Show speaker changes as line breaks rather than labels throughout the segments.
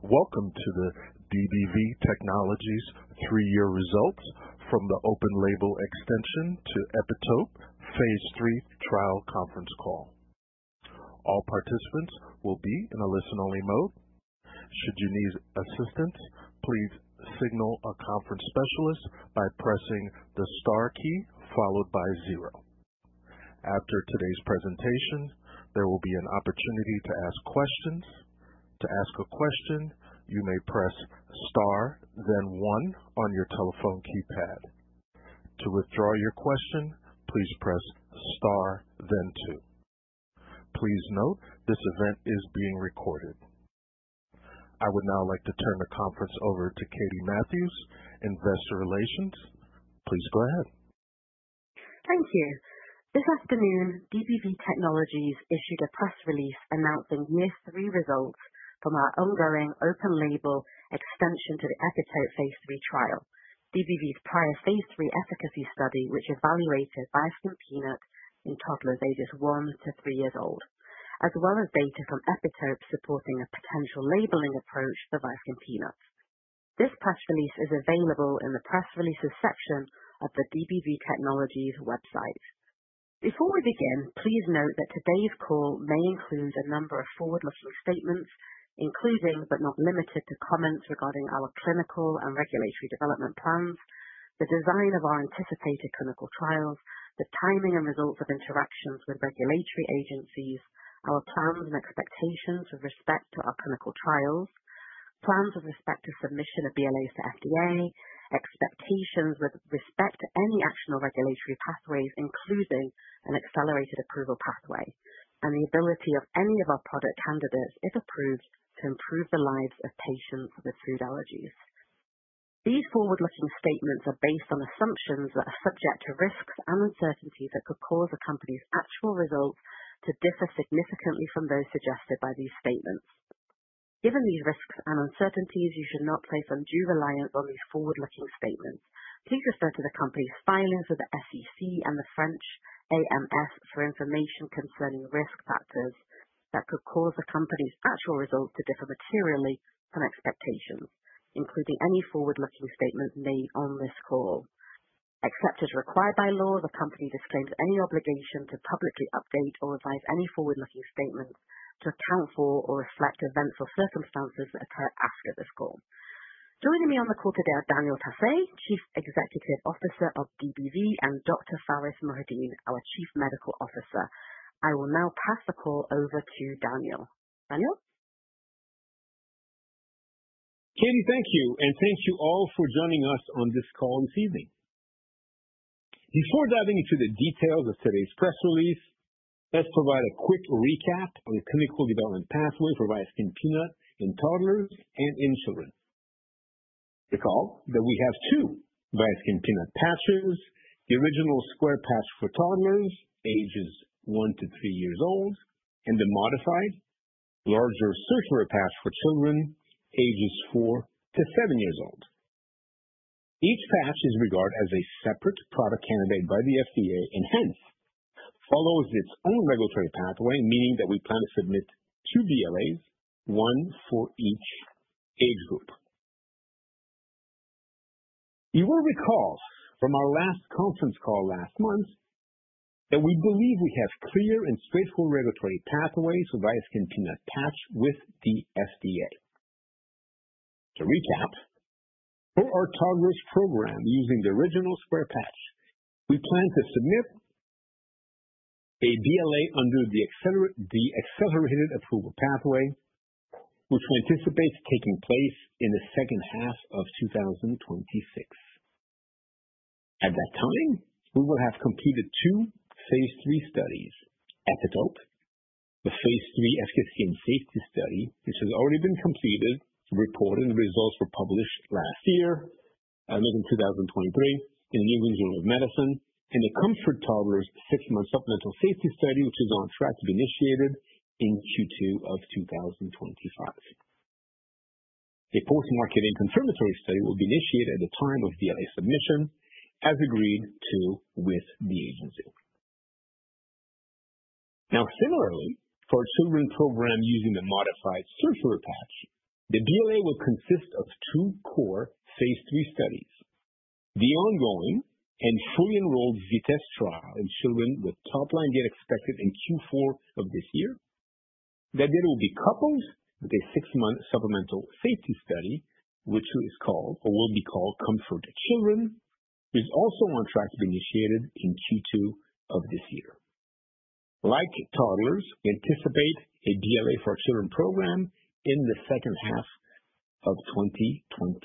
Welcome to the DBV Technologies three-year results from the Open-Label Extension to EPITOPE Phase III trial conference call. All participants will be in a listen-only mode. Should you need assistance, please signal a conference specialist by pressing the star key followed by zero. After today's presentation, there will be an opportunity to ask questions. To ask a question, you may press star, then one on your telephone keypad. To withdraw your question, please press star, then two. Please note this event is being recorded. I would now like to turn the conference over to Katie Matthews, Investor Relations. Please go ahead.
Thank you. This afternoon, DBV Technologies issued a press release announcing year three results from our ongoing Open-Label Extension to the EPITOPE Phase III trial, DBV's prior Phase III efficacy study which evaluated Viaskin Peanut in toddlers ages one to three years old, as well as data from EPITOPE supporting a potential labeling approach for Viaskin Peanut. This press release is available in the press releases section of the DBV Technologies website. Before we begin, please note that today's call may include a number of forward-looking statements, including but not limited to comments regarding our clinical and regulatory development plans, the design of our anticipated clinical trials, the timing and results of interactions with regulatory agencies, our plans and expectations with respect to our clinical trials, plans with respect to submission of BLAs to FDA, expectations with respect to any action or regulatory pathways, including an accelerated approval pathway, and the ability of any of our product candidates, if approved, to improve the lives of patients with food allergies. These forward-looking statements are based on assumptions that are subject to risks and uncertainties that could cause the company's actual results to differ significantly from those suggested by these statements. Given these risks and uncertainties, you should not place undue reliance on these forward-looking statements. Please refer to the company's filings with the SEC and the French AMF for information concerning risk factors that could cause a company's actual results to differ materially from expectations, including any forward-looking statements made on this call. Except as required by law, the company disclaims any obligation to publicly update or revise any forward-looking statements to account for or reflect events or circumstances that occur after this call. Joining me on the call today are Daniel Tassé, Chief Executive Officer of DBV, and Dr. Pharis Mohideen, our Chief Medical Officer. I will now pass the call over to Daniel. Daniel?
Katie, thank you, and thank you all for joining us on this call this evening. Before diving into the details of today's press release, let's provide a quick recap on the clinical development pathway for Viaskin Peanut in toddlers and in children. Recall that we have two Viaskin Peanut patches: the original square patch for toddlers, ages one to three years old, and the modified, larger circular patch for children, ages four to seven years old. Each patch is regarded as a separate product candidate by the FDA and hence follows its own regulatory pathway, meaning that we plan to submit two BLAs, one for each age group. You will recall from our last conference call last month that we believe we have clear and straightforward regulatory pathways for Viaskin Peanut patch with the FDA. To recap, for our toddlers program using the original square patch, we plan to submit a BLA under the accelerated approval pathway, which we anticipate taking place in the second half of 2026. At that time, we will have completed two Phase III studies: EPITOPE, the Phase III efficacy and safety study, which has already been completed, reported, and the results were published last year, I think in 2023, in the New England Journal of Medicine, and the COMFORT Toddlers Six-Month Supplemental Safety Study, which is on track to be initiated in Q2 of 2025. A post-market and confirmatory study will be initiated at the time of BLA submission, as agreed to with the agency. Now, similarly, for a children program using the modified circular patch, the BLA will consist of two core Phase III studies: the ongoing and fully enrolled VITESSE trial in children with top-line data expected in Q4 of this year. That data will be coupled with a six-month supplemental safety study, which is called or will be called COMFORT Children, which is also on track to be initiated in Q2 of this year. Like toddlers, we anticipate a BLA for our children program in the second half of 2026.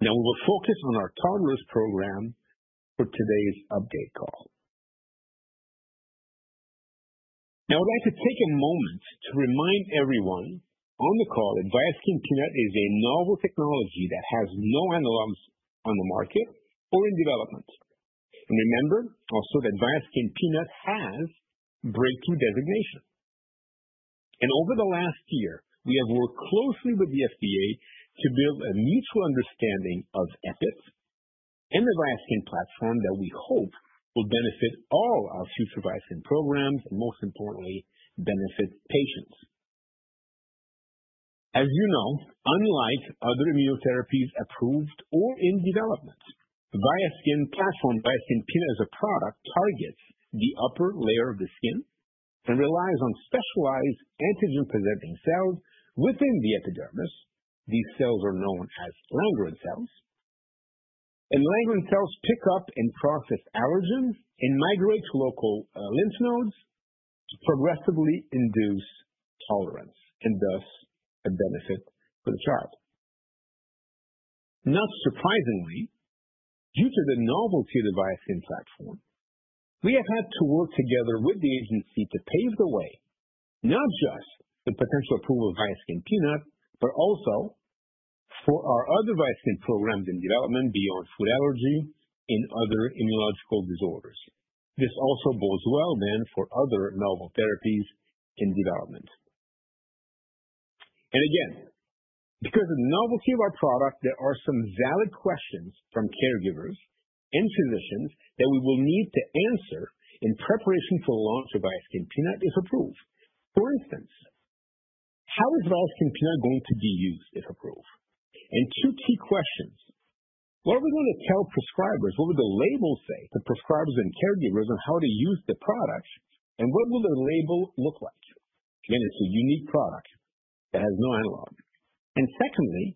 Now, we will focus on our toddlers program for today's update call. Now, I'd like to take a moment to remind everyone on the call that Viaskin Peanut is a novel technology that has no analogues on the market or in development. And remember also that Viaskin Peanut has Breakthrough Designation. Over the last year, we have worked closely with the FDA to build a mutual understanding of EPIT and the Viaskin platform that we hope will benefit all our future Viaskin programs and, most importantly, benefit patients. As you know, unlike other immunotherapies approved or in development, the Viaskin platform, Viaskin Peanut as a product, targets the upper layer of the skin and relies on specialized antigen-presenting cells within the epidermis. These cells are known as Langerhans cells. Langerhans cells pick up and process allergens and migrate to local lymph nodes to progressively induce tolerance and thus a benefit for the child. Not surprisingly, due to the novelty of the Viaskin platform, we have had to work together with the agency to pave the way, not just for the potential approval of Viaskin Peanut, but also for our other Viaskin programs in development beyond food allergy and other immunological disorders. This also bodes well then for other novel therapies in development. And again, because of the novelty of our product, there are some valid questions from caregivers and physicians that we will need to answer in preparation for the launch of Viaskin Peanut if approved. For instance, how is Viaskin Peanut going to be used if approved? And two key questions. What are we going to tell prescribers? What will the label say to prescribers and caregivers on how to use the product? And what will the label look like? Again, it's a unique product that has no analog. And secondly,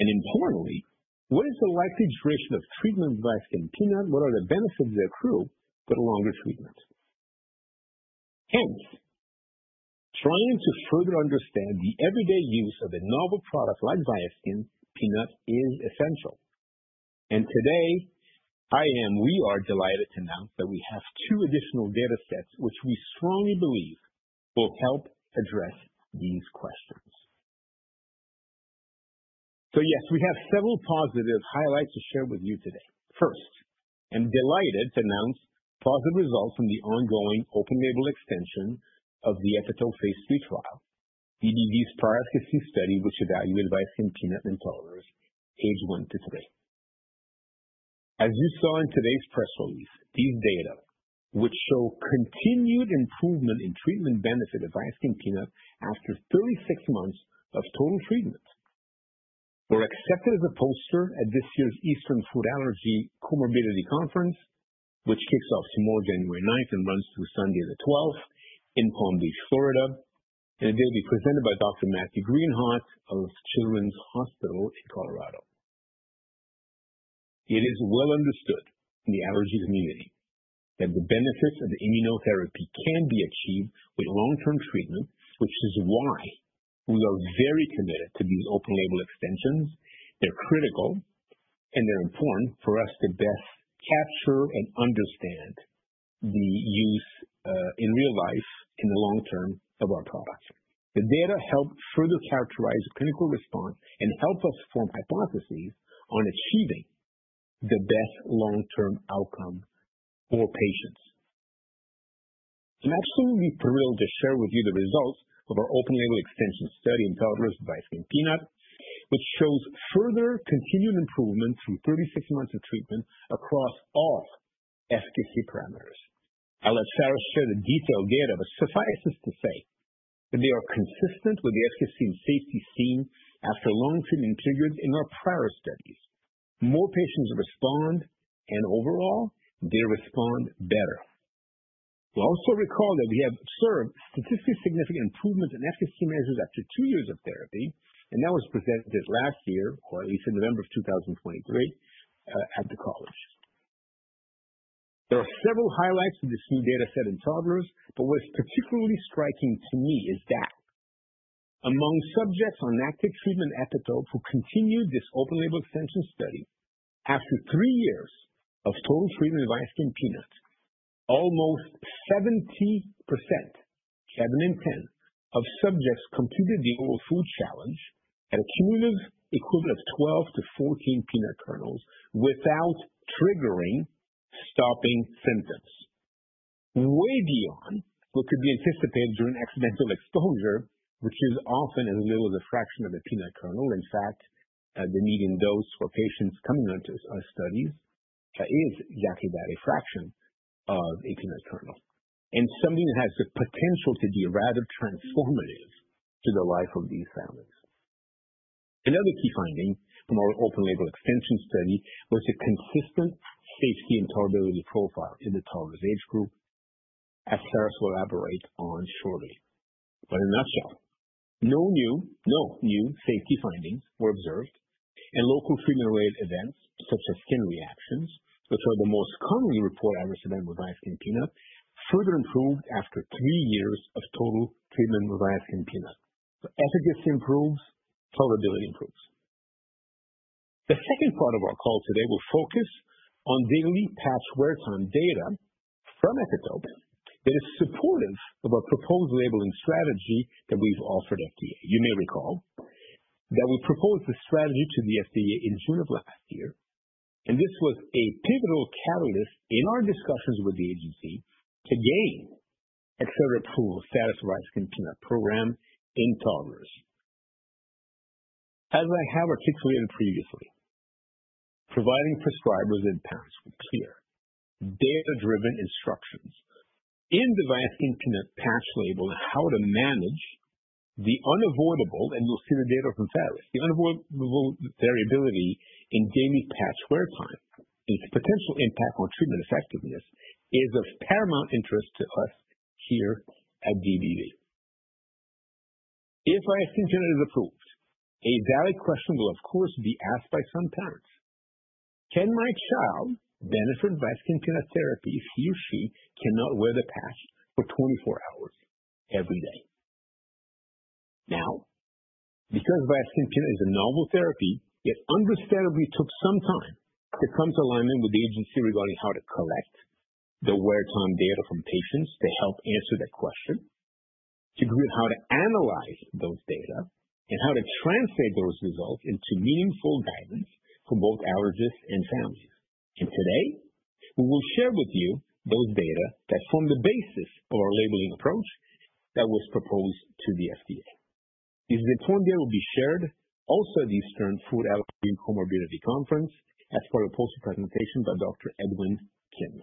and importantly, what is the likely duration of treatment of Viaskin Peanut? What are the benefits that accrue with a longer treatment? Hence, trying to further understand the everyday use of a novel product like Viaskin Peanut is essential. And today, I am, we are delighted to announce that we have two additional data sets which we strongly believe will help address these questions. So yes, we have several positive highlights to share with you today. First, I'm delighted to announce positive results from the ongoing Open-Label Extension of the EPITOPE Phase III trial, DBV's prior efficacy study which evaluated Viaskin Peanut in toddlers ages one to three. As you saw in today's press release, these data would show continued improvement in treatment benefit of Viaskin Peanut after 36 months of total treatment. We're accepted as a poster at this year's Eastern Allergy Conference, which kicks off tomorrow, January 9th, and runs through Sunday the 12th in Palm Beach, Florida, and it will be presented by Dr. Matthew Greenhawt of Children's Hospital Colorado. It is well understood in the allergy community that the benefits of the immunotherapy can be achieved with long-term treatment, which is why we are very committed to these open-label extensions. They're critical, and they're important for us to best capture and understand the use in real life in the long term of our product. The data help further characterize clinical response and help us form hypotheses on achieving the best long-term outcome for patients. I'm absolutely thrilled to share with you the results of our open-label extension study in toddlers for Viaskin Peanut, which shows further continued improvement through 36 months of treatment across all efficacy parameters. I'll let Pharis share the detailed data, but suffice it to say that they are consistent with the efficacy and safety seen after long treatment periods in our prior studies. More patients respond, and overall, they respond better. We also recall that we have observed statistically significant improvements in efficacy measures after two years of therapy, and that was presented last year, or at least in November of 2023, at the College. There are several highlights of this new data set in toddlers, but what's particularly striking to me is that among subjects on active treatment EPITOPE who continued this Open-Label Extension study after three years of total treatment of Viaskin Peanut, almost 70%, seven in 10, of subjects completed the Oral Food Challenge at a cumulative equivalent of 12-14 peanut kernels without triggering stopping symptoms. Way beyond what could be anticipated during accidental exposure, which is often as little as a fraction of a peanut kernel. In fact, the median dose for patients coming onto our studies is exactly that, a fraction of a peanut kernel, and something that has the potential to be rather transformative to the life of these families. Another key finding from our Open-Label Extension study was a consistent safety and tolerability profile in the toddlers age group, as Pharis will elaborate on shortly. But in a nutshell, no new safety findings were observed, and local treatment-related events such as skin reactions, which are the most commonly reported adverse events with Viaskin Peanut, further improved after three years of total treatment with Viaskin Peanut. So efficacy improves, tolerability improves. The second part of our call today will focus on daily patch wear time data from EPITOPE that is supportive of our proposed labeling strategy that we've offered FDA. You may recall that we proposed the strategy to the FDA in June of last year, and this was a pivotal catalyst in our discussions with the agency to gain accelerated approval status of the Viaskin Peanut program in toddlers. As I have articulated previously, providing prescribers and parents with clear data-driven instructions in the Viaskin Peanut patch label on how to manage the unavoidable, and you'll see the data from Pharis, the unavoidable variability in daily patch wear time and its potential impact on treatment effectiveness is of paramount interest to us here at DBV. If Viaskin Peanut is approved, a valid question will of course be asked by some parents. Can my child benefit from Viaskin Peanut therapy if he or she cannot wear the patch for 24 hours every day? Now, because Viaskin Peanut is a novel therapy, it understandably took some time to come to alignment with the agency regarding how to collect the wear time data from patients to help answer that question, to agree on how to analyze those data, and how to translate those results into meaningful guidance for both allergists and families. Today, we will share with you those data that form the basis of our labeling approach that was proposed to the FDA. These informed data will be shared also at the Eastern Allergy Conference as part of a poster presentation by Dr. Edwin Kim.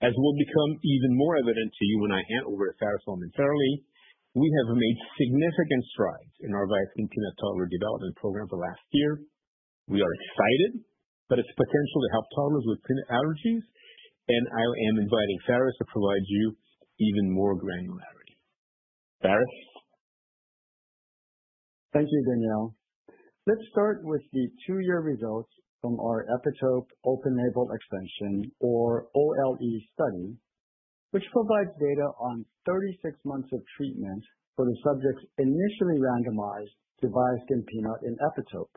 As will become even more evident to you when I hand over to Pharis momentarily, we have made significant strides in our Viaskin Peanut toddler development program for the last year. We are excited about its potential to help toddlers with peanut allergies, and I am inviting Pharis to provide you even more granularity. Pharis?
Thank you, Daniel. Let's start with the two-year results from our EPITOPE Open-Label Extension, or OLE, study, which provides data on 36 months of treatment for the subjects initially randomized to Viaskin Peanut in EPITOPE.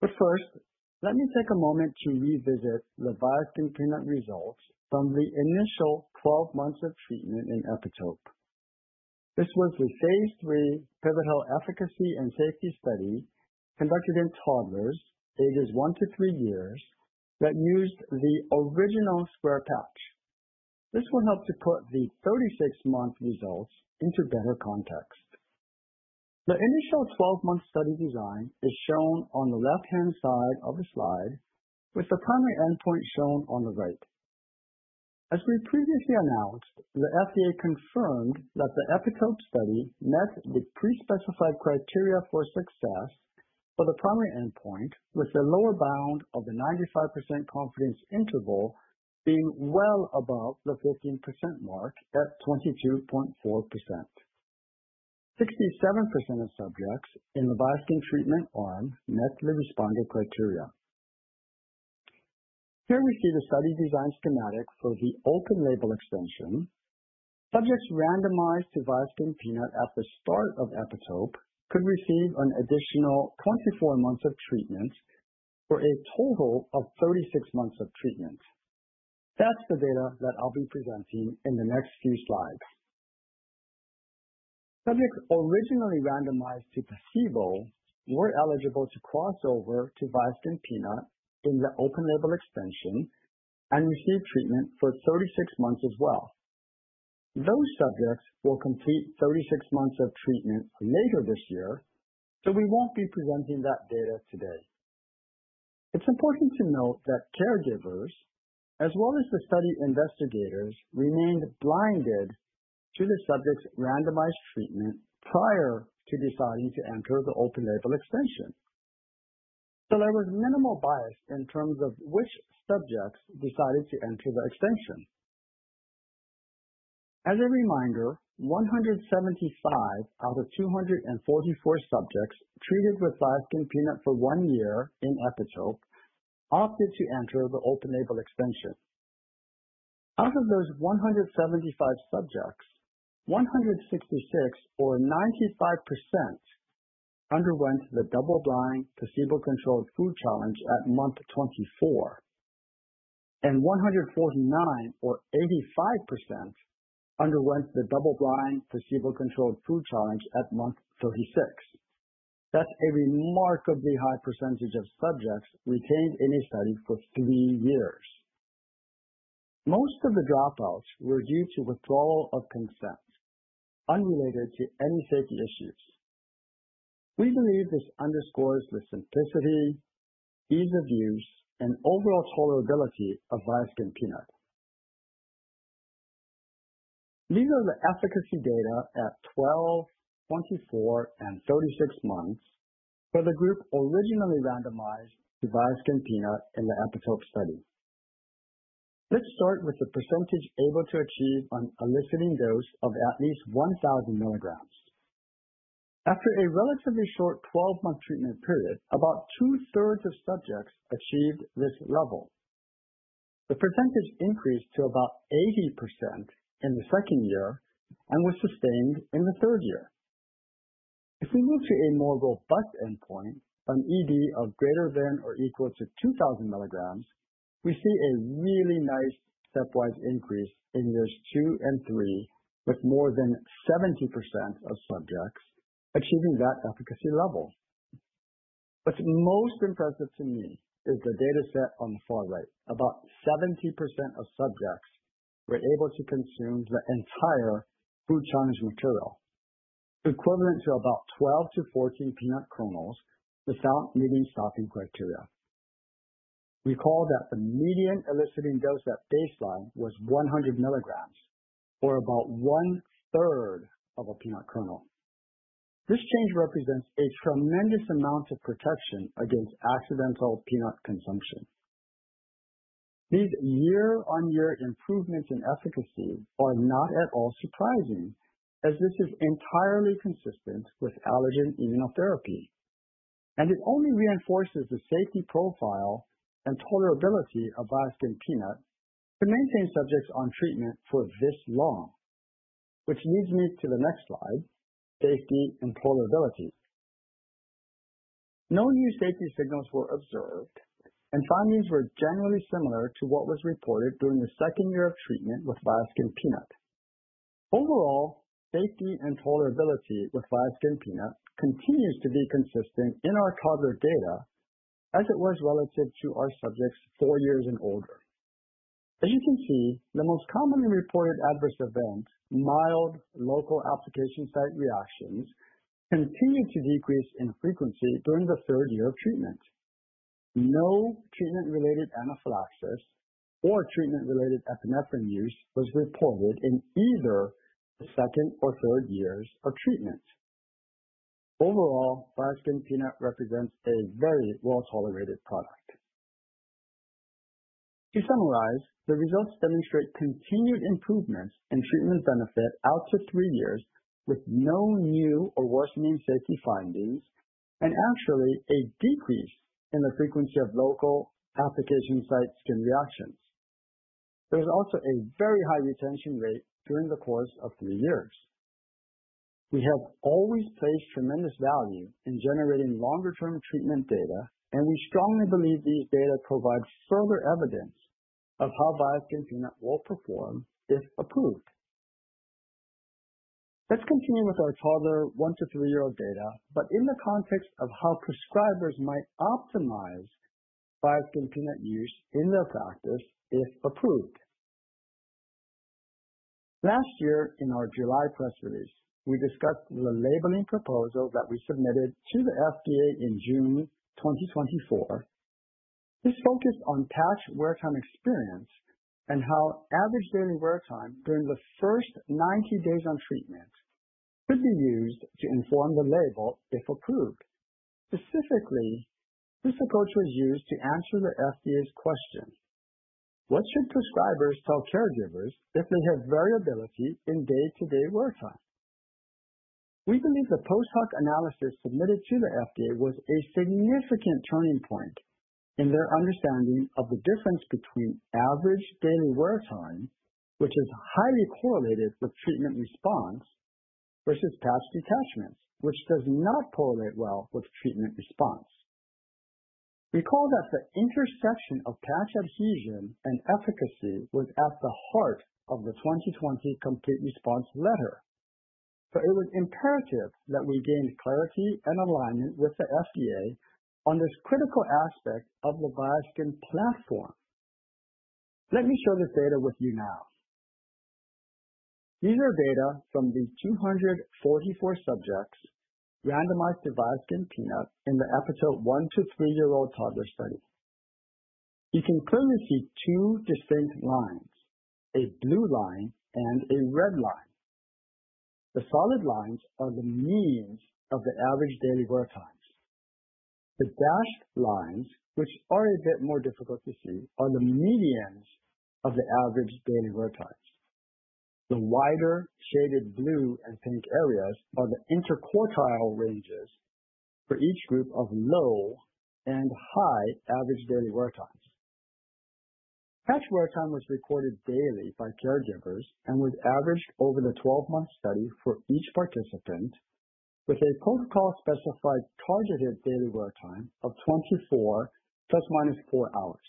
But first, let me take a moment to revisit the Viaskin Peanut results from the initial 12 months of treatment in EPITOPE. This was the Phase III pivotal efficacy and safety study conducted in toddlers ages one to three years that used the original square patch. This will help to put the 36-month results into better context. The initial 12-month study design is shown on the left-hand side of the slide, with the primary endpoint shown on the right. As we previously announced, the FDA confirmed that the EPITOPE study met the pre-specified criteria for success for the primary endpoint, with the lower bound of the 95% confidence interval being well above the 15% mark at 22.4%. 67% of subjects in the Viaskin Peanut treatment arm met the responder criteria. Here we see the study design schematic for the Open-Label Extension. Subjects randomized to Viaskin Peanut at the start of EPITOPE could receive an additional 24 months of treatment for a total of 36 months of treatment. That's the data that I'll be presenting in the next few slides. Subjects originally randomized to placebo were eligible to cross over to Viaskin Peanut in the Open-Label Extension and receive treatment for 36 months as well. Those subjects will complete 36 months of treatment later this year, so we won't be presenting that data today. It's important to note that caregivers, as well as the study investigators, remained blinded to the subjects' randomized treatment prior to deciding to enter the Open-Label Extension. So there was minimal bias in terms of which subjects decided to enter the extension. As a reminder, 175 out of 244 subjects treated with Viaskin Peanut for one year in EPITOPE opted to enter the Open-Label Extension. Out of those 175 subjects, 166, or 95%, underwent the double-blind placebo-controlled food challenge at month 24, and 149, or 85%, underwent the double-blind placebo-controlled food challenge at month 36. That's a remarkably high percentage of subjects retained in a study for three years. Most of the dropouts were due to withdrawal of consent, unrelated to any safety issues. We believe this underscores the simplicity, ease of use, and overall tolerability of Viaskin Peanut. These are the efficacy data at 12, 24, and 36 months for the group originally randomized to Viaskin Peanut in the EPITOPE study. Let's start with the percentage able to achieve an eliciting dose of at least 1,000 milligrams. After a relatively short 12-month treatment period, about two-thirds of subjects achieved this level. The percentage increased to about 80% in the second year and was sustained in the third year. If we move to a more robust endpoint, an ED of greater than or equal to 2,000 milligrams, we see a really nice stepwise increase in years two and three, with more than 70% of subjects achieving that efficacy level. What's most impressive to me is the data set on the far right. About 70% of subjects were able to consume the entire food challenge material, equivalent to about 12-14 peanut kernels without meeting stopping criteria. Recall that the median eliciting dose at baseline was 100 milligrams, or about one-third of a peanut kernel. This change represents a tremendous amount of protection against accidental peanut consumption. These year-on-year improvements in efficacy are not at all surprising, as this is entirely consistent with allergen immunotherapy, and it only reinforces the safety profile and tolerability of Viaskin Peanut to maintain subjects on treatment for this long, which leads me to the next slide: safety and tolerability. No new safety signals were observed, and findings were generally similar to what was reported during the second year of treatment with Viaskin Peanut. Overall, safety and tolerability with Viaskin Peanut continues to be consistent in our toddler data as it was relative to our subjects four years and older. As you can see, the most commonly reported adverse events, mild local application site reactions, continued to decrease in frequency during the third year of treatment. No treatment-related anaphylaxis or treatment-related epinephrine use was reported in either the second or third years of treatment. Overall, Viaskin Peanut represents a very well-tolerated product. To summarize, the results demonstrate continued improvements in treatment benefit out to three years with no new or worsening safety findings and actually a decrease in the frequency of local application site skin reactions. There was also a very high retention rate during the course of three years. We have always placed tremendous value in generating longer-term treatment data, and we strongly believe these data provide further evidence of how Viaskin Peanut will perform if approved. Let's continue with our toddler one to three-year-old data, but in the context of how prescribers might optimize Viaskin Peanut use in their practice if approved. Last year, in our July press release, we discussed the labeling proposal that we submitted to the FDA in June 2024. This focused on patch wear time experience and how average daily wear time during the first 90 days on treatment could be used to inform the label if approved. Specifically, this approach was used to answer the FDA's question: What should prescribers tell caregivers if they have variability in day-to-day wear time? We believe the post-hoc analysis submitted to the FDA was a significant turning point in their understanding of the difference between average daily wear time, which is highly correlated with treatment response, versus patch detachments, which does not correlate well with treatment response. Recall that the intersection of patch adhesion and efficacy was at the heart of the 2020 Complete Response Letter, so it was imperative that we gain clarity and alignment with the FDA on this critical aspect of the Viaskin platform. Let me share this data with you now. These are data from the 244 subjects randomized to Viaskin Peanut in the EPITOPE one- to three-year-old toddler study. You can clearly see two distinct lines: a blue line and a red line. The solid lines are the means of the average daily wear times. The dashed lines, which are a bit more difficult to see, are the medians of the average daily wear times. The wider shaded blue and pink areas are the interquartile ranges for each group of low and high average daily wear times. Patch wear time was recorded daily by caregivers and was averaged over the 12-month study for each participant, with a protocol-specified targeted daily wear time of 24 plus or minus 4 hours.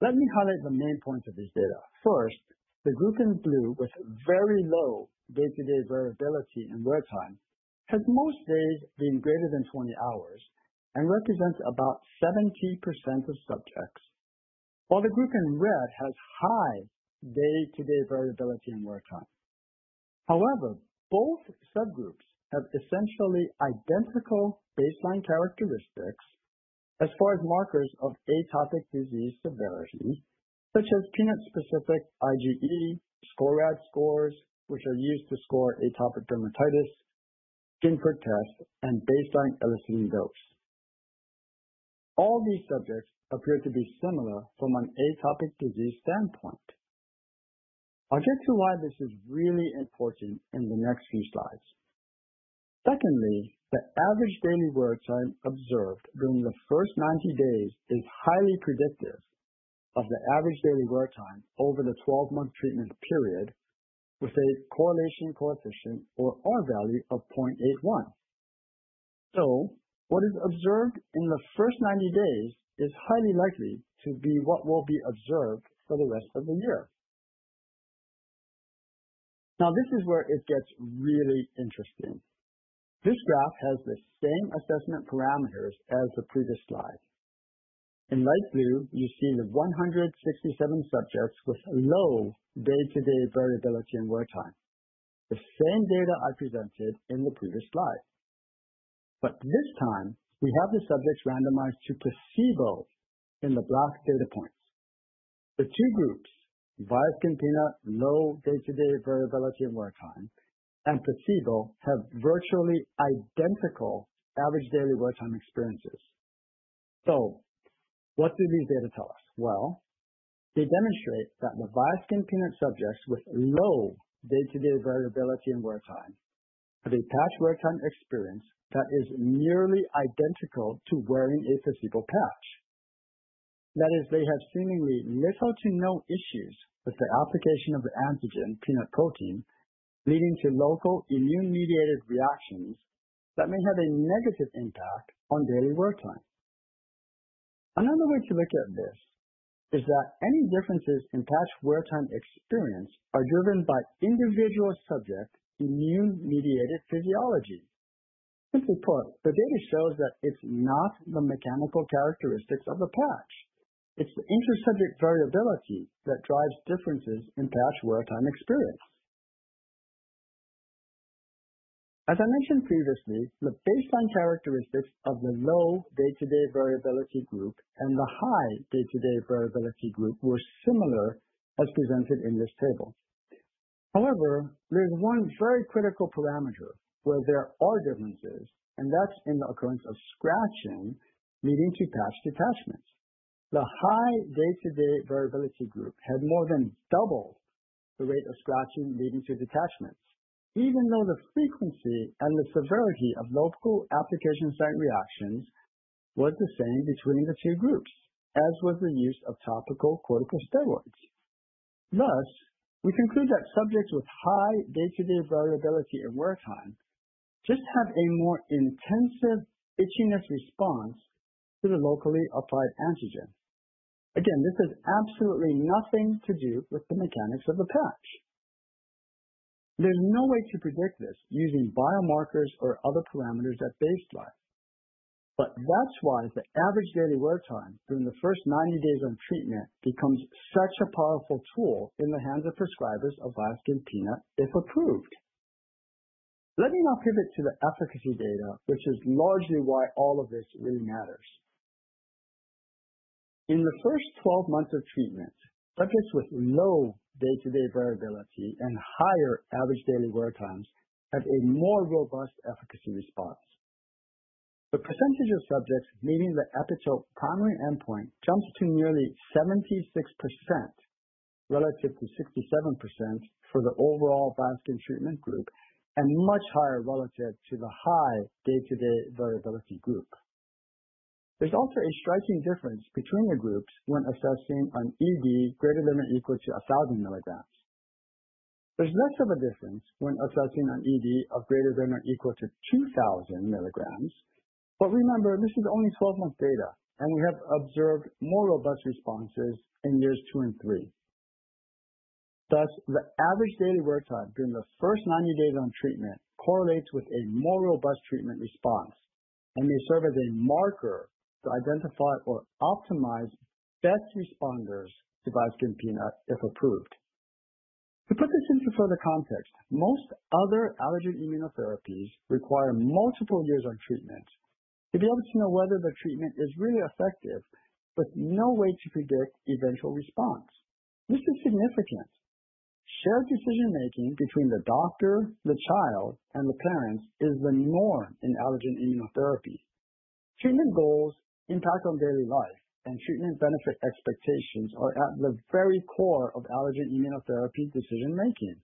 Let me highlight the main points of these data. First, the group in blue with very low day-to-day variability in wear time has most days being greater than 20 hours and represents about 70% of subjects, while the group in red has high day-to-day variability in wear time. However, both subgroups have essentially identical baseline characteristics as far as markers of atopic disease severity, such as peanut-specific IgE, SCORAD scores which are used to score atopic dermatitis, skin prick test, and baseline eliciting dose. All these subjects appear to be similar from an atopic disease standpoint. I'll get to why this is really important in the next few slides. Secondly, the average daily wear time observed during the first 90 days is highly predictive of the average daily wear time over the 12-month treatment period, with a correlation coefficient or R-value of 0.81. So what is observed in the first 90 days is highly likely to be what will be observed for the rest of the year. Now, this is where it gets really interesting. This graph has the same assessment parameters as the previous slide. In light blue, you see the 167 subjects with low day-to-day variability in wear time, the same data I presented in the previous slide. But this time, we have the subjects randomized to placebo in the black data points. The two groups, Viaskin Peanut low day-to-day variability in wear time and placebo, have virtually identical average daily wear time experiences. So what do these data tell us? Well, they demonstrate that the Viaskin Peanut subjects with low day-to-day variability in wear time have a patch wear time experience that is nearly identical to wearing a placebo patch. That is, they have seemingly little to no issues with the application of the antigen peanut protein, leading to local immune-mediated reactions that may have a negative impact on daily wear time. Another way to look at this is that any differences in patch wear time experience are driven by individual subject immune-mediated physiology. Simply put, the data shows that it's not the mechanical characteristics of the patch. It's the intersubject variability that drives differences in patch wear time experience. As I mentioned previously, the baseline characteristics of the low day-to-day variability group and the high day-to-day variability group were similar, as presented in this table. However, there's one very critical parameter where there are differences, and that's in the occurrence of scratching leading to patch detachments. The high day-to-day variability group had more than doubled the rate of scratching leading to detachments, even though the frequency and the severity of local application site reactions was the same between the two groups, as was the use of topical corticosteroids. Thus, we conclude that subjects with high day-to-day variability in wear time just have a more intensive itchiness response to the locally applied antigen. Again, this has absolutely nothing to do with the mechanics of the patch. There's no way to predict this using biomarkers or other parameters at baseline. But that's why the average daily wear time during the first 90 days on treatment becomes such a powerful tool in the hands of prescribers of Viaskin Peanut if approved. Let me now pivot to the efficacy data, which is largely why all of this really matters. In the first 12 months of treatment, subjects with low day-to-day variability and higher average daily wear times have a more robust efficacy response. The percentage of subjects meeting the EPITOPE primary endpoint jumps to nearly 76% relative to 67% for the overall Viaskin treatment group and much higher relative to the high day-to-day variability group. There's also a striking difference between the groups when assessing on ED greater than or equal to 1,000 milligrams. There's less of a difference when assessing on ED of greater than or equal to 2,000 milligrams. But remember, this is only 12-month data, and we have observed more robust responses in years two and three. Thus, the average daily wear time during the first 90 days on treatment correlates with a more robust treatment response and may serve as a marker to identify or optimize best responders to Viaskin Peanut if approved. To put this into further context, most other allergen immunotherapies require multiple years on treatment to be able to know whether the treatment is really effective, but no way to predict eventual response. This is significant. Shared decision-making between the doctor, the child, and the parents is the norm in allergen immunotherapy. Treatment goals, impact on daily life, and treatment benefit expectations are at the very core of allergen immunotherapy decision-making.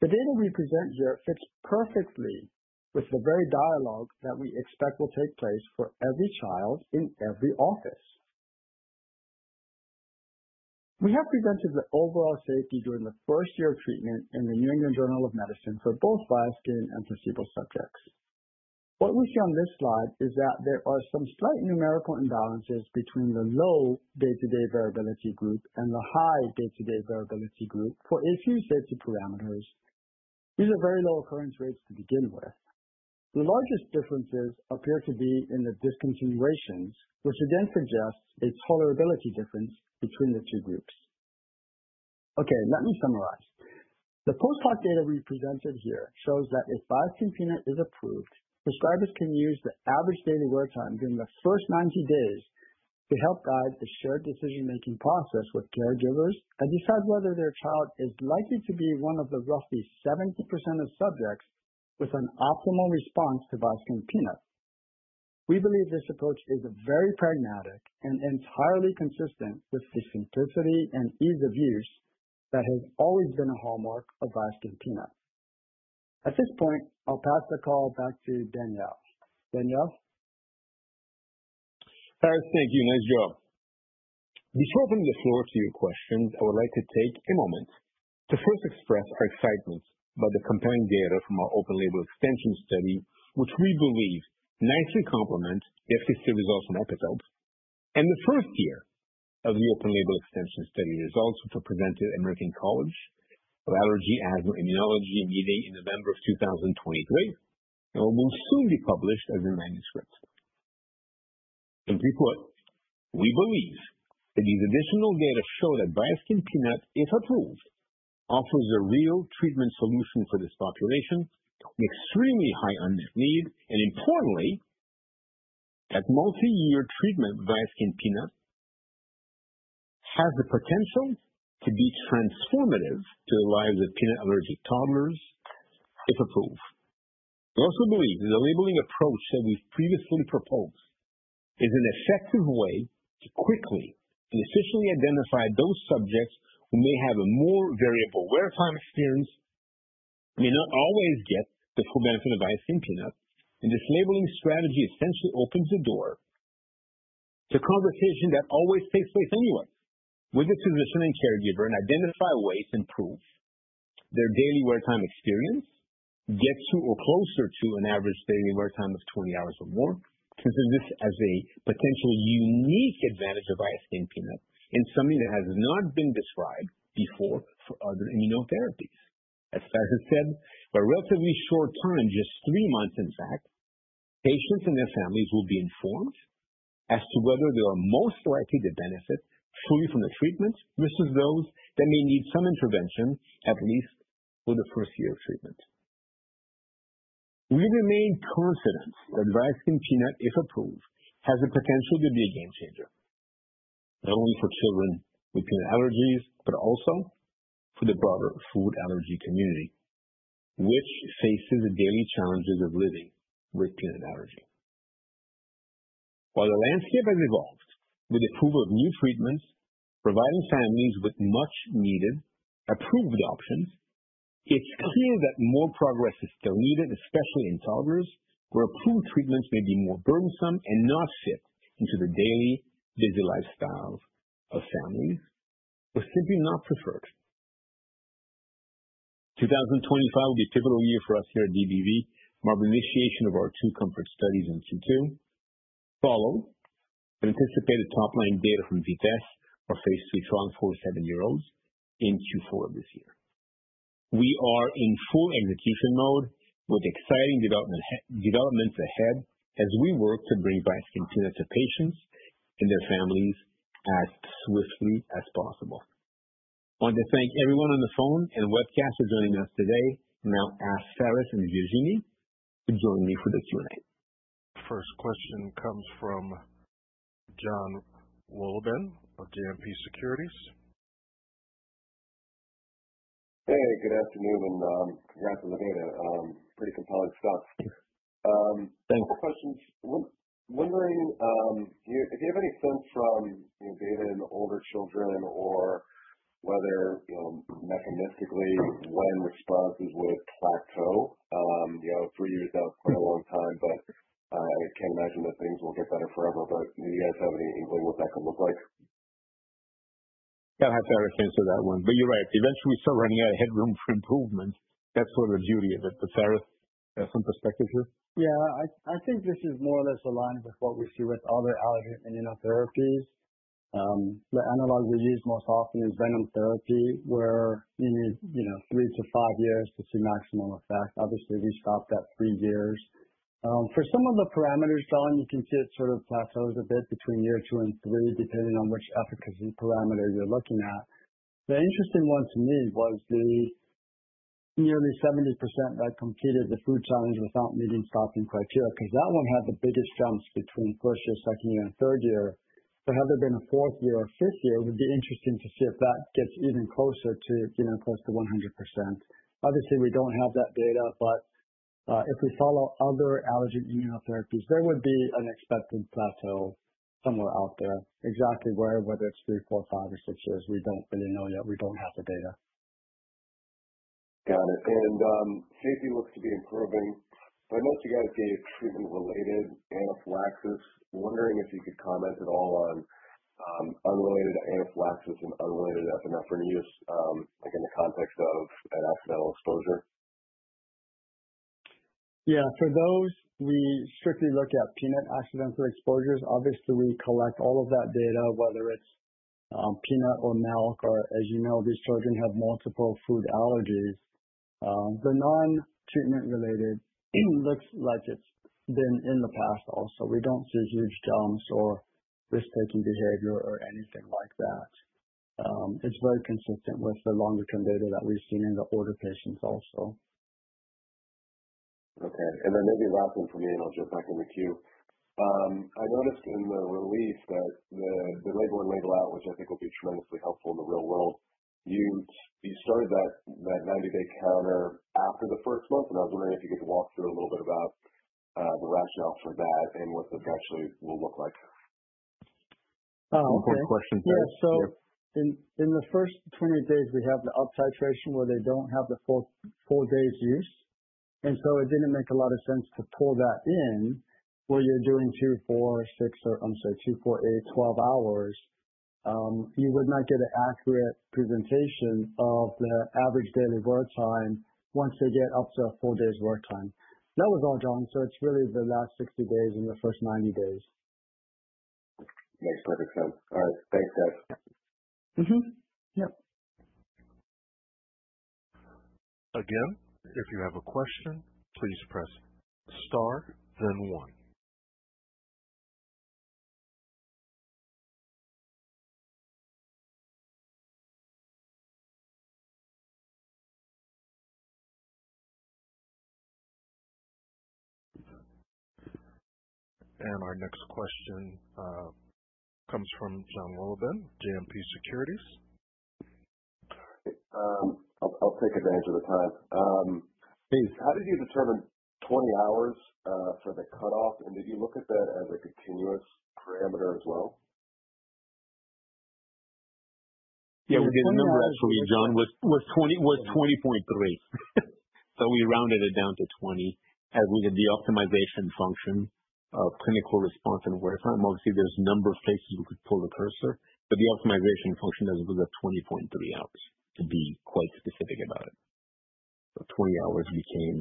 The data we present here fits perfectly with the very dialogue that we expect will take place for every child in every office. We have presented the overall safety during the first year of treatment in the New England Journal of Medicine for both Viaskin and placebo subjects. What we see on this slide is that there are some slight numerical imbalances between the low day-to-day variability group and the high day-to-day variability group for a few safety parameters. These are very low occurrence rates to begin with. The largest differences appear to be in the discontinuations, which again suggests a tolerability difference between the two groups. Okay, let me summarize. The post-hoc data we presented here shows that if Viaskin Peanut is approved, prescribers can use the average daily wear time during the first 90 days to help guide the shared decision-making process with caregivers and decide whether their child is likely to be one of the roughly 70% of subjects with an optimal response to Viaskin Peanut. We believe this approach is very pragmatic and entirely consistent with the simplicity and ease of use that has always been a hallmark of Viaskin Peanut. At this point, I'll pass the call back to Daniel. Daniel.
Thanks, thank you. Nice job. Before opening the floor to your questions, I would like to take a moment to first express our excitement by the compelling data from our open label extension study, which we believe nicely complement the FDA results from EPITOPE and the first year of the open label extension study results, which were presented at American College of Allergy, Asthma, and Immunology meeting in November of 2023, and will soon be published as a manuscript. Simply put, we believe that these additional data show that Viaskin Peanut, if approved, offers a real treatment solution for this population with extremely high unmet need and, importantly, that multi-year treatment Viaskin Peanut has the potential to be transformative to the lives of peanut allergic toddlers if approved. We also believe that the labeling approach that we've previously proposed is an effective way to quickly and efficiently identify those subjects who may have a more variable wear time experience, may not always get the full benefit of Viaskin Peanut, and this labeling strategy essentially opens the door to a conversation that always takes place anyway with the physician and caregiver and identifies ways to improve their daily wear time experience, get to or closer to an average daily wear time of 20 hours or more, consider this as a potentially unique advantage of Viaskin Peanut in something that has not been described before for other immunotherapies. As Pharis has said, by a relatively short time, just three months in fact, patients and their families will be informed as to whether they are most likely to benefit fully from the treatment versus those that may need some intervention at least for the first year of treatment. We remain confident that Viaskin Peanut, if approved, has the potential to be a game changer, not only for children with peanut allergies but also for the broader food allergy community, which faces the daily challenges of living with peanut allergy. While the landscape has evolved with the approval of new treatments providing families with much-needed approved options, it's clear that more progress is still needed, especially in toddlers, where approved treatments may be more burdensome and not fit into the daily busy lifestyles of families or simply not preferred. 2025 will be a pivotal year for us here at DBV, marking the initiation of our two COMFORT studies in Q2, followed by anticipated top-line data from VITESSE for Phase III trial in four- to seven-year-olds in Q4 of this year. We are in full execution mode with exciting developments ahead as we work to bring Viaskin Peanut to patients and their families as swiftly as possible. I want to thank everyone on the phone and webcast for joining us today. Now, I ask Pharis and Virginie to join me for the Q&A.
First question comes from Jonathan Wolleben of JMP Securities.
Hey, good afternoon and congrats on the data. Pretty compelling stuff.
Thanks.
Questions? Wondering if you have any sense from data in older children or whether mechanistically when responses would plateau? Three years now is quite a long time, but I can't imagine that things will get better forever. But do you guys have any inkling what that could look like?
Yeah, I'll have Pharis answer that one. But you're right. Eventually, we start running out of headroom for improvement. That's sort of the beauty of it. But Pharis, from perspective here?
Yeah, I think this is more or less aligned with what we see with other allergen immunotherapies. The analog we use most often is Venom therapy, where you need three to five years to see maximum effect. Obviously, we stopped at three years. For some of the parameters, John, you can see it sort of plateaus a bit between year two and three, depending on which efficacy parameter you're looking at. The interesting one to me was the nearly 70% that completed the food challenge without meeting stopping criteria, because that one had the biggest jumps between first year, second year, and third year. So had there been a fourth year or fifth year, it would be interesting to see if that gets even closer to 100%. Obviously, we don't have that data, but if we follow other allergen immunotherapies, there would be an expected plateau somewhere out there, exactly where, whether it's three, four, five, or six years, we don't really know yet. We don't have the data.
Got it. And safety looks to be improving. But I noticed you guys gave treatment-related anaphylaxis. Wondering if you could comment at all on unrelated anaphylaxis and unrelated epinephrine use in the context of an accidental exposure?
Yeah, for those, we strictly look at peanut accidental exposures. Obviously, we collect all of that data, whether it's peanut or milk, or, as you know, these children have multiple food allergies. The non-treatment-related looks like it's been in the past also. We don't see huge jumps or risk-taking behavior or anything like that. It's very consistent with the longer-term data that we've seen in the older patients also.
Okay, and then maybe last one from me, and I'll jump back in the queue. I noticed in the release that the Label In, Label Out, which I think will be tremendously helpful in the real world, you started that 90-day counter after the first month, and I was wondering if you could walk through a little bit about the rationale for that and what that actually will look like.
Oh, okay.
Important question, Sir. Yeah, so in the first 28 days, we have the up-titration where they don't have the full days' use. And so it didn't make a lot of sense to pull that in where you're doing two, four, six, or I'm sorry, two, four, eight, 12 hours. You would not get an accurate presentation of the average daily wear time once they get up to four days' wear time. That was all, John. So it's really the last 60 days and the first 90 days.
Makes perfect sense. All right. Thanks, guys.
Yep.
Again, if you have a question, please press star, then one. And our next question comes from Jonathan Wolleben, JMP Securities.
I'll take advantage of the time. How did you determine 20 hours for the cutoff? And did you look at that as a continuous parameter as well?
Yeah, we did a number actually, John, with 20.3. So we rounded it down to 20 as we did the optimization function of clinical response and wear time. Obviously, there's a number of places we could pull the cursor, but the optimization function doesn't look at 20.3 hours to be quite specific about it. So 20 hours became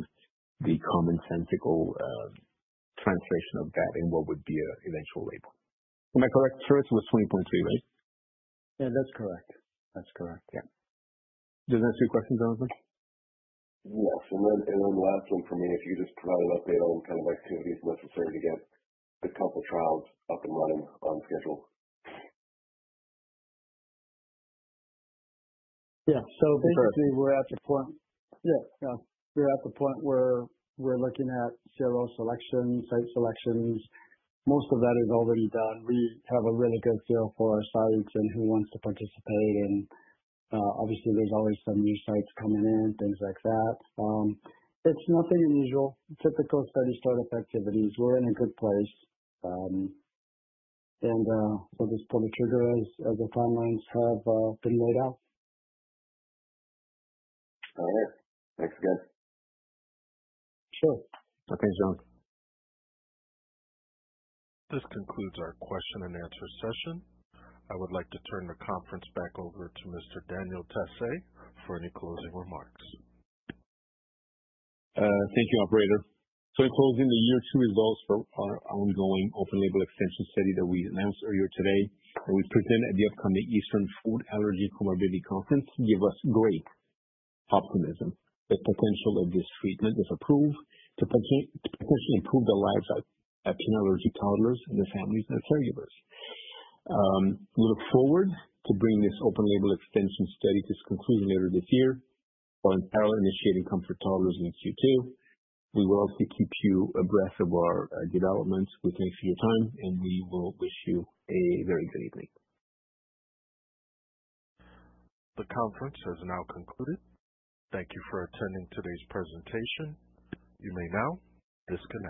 the commonsensical translation of that and what would be an eventual label. Am I correct? First was 20.3, right?
Yeah, that's correct. That's correct. Yeah.
Does that answer your question, Jonathan?
Yes. And then the last one for me, if you could just provide an update on kind of activities necessary to get a couple of trials up and running on schedule?
Yeah. So basically, we're at the point where we're looking at serial selections, site selections. Most of that is already done. We have a really good feel for our sites and who wants to participate, and obviously, there's always some new sites coming in, things like that. It's nothing unusual. Typical study startup activities. We're in a good place, and we'll just pull the trigger as the timelines have been laid out.
All right. Thanks again.
Sure.
Okay, John.
This concludes our question-and-answer session. I would like to turn the conference back over to Mr. Daniel Tassé for any closing remarks.
Thank you, Operator. So in closing, the year two results for our ongoing open label extension study that we announced earlier today and we presented at the upcoming Eastern Allergy Conference give us great optimism that the potential of this treatment is approved to potentially improve the lives of peanut allergy toddlers and their families and their caregivers. We look forward to bringing this open label extension study to its conclusion later this year while in parallel initiating COMFORT Toddlers in Q2. We will also keep you abreast of our developments. We thank you for your time, and we will wish you a very good evening.
The conference has now concluded. Thank you for attending today's presentation. You may now disconnect.